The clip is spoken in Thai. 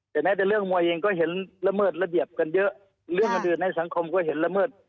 แต่แม้แต่เรื่องมวยเองก็เห็นละเมิดระเบียบกันเยอะเรื่องอื่นในสังคมก็เห็นละเมิด